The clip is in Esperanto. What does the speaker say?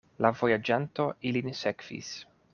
La vojaĝanto ilin sekvis.